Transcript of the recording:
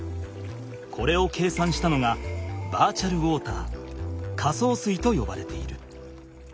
これを計算したのがバーチャルウォーター仮想水とよばれている。